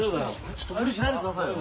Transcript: ちょっと無理しないでくださいよ。